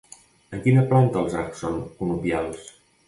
En quina planta els arcs són conopials?